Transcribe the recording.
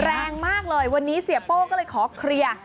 แรงมากเลยวันนี้เสียโป้ก็เลยขอเคลียร์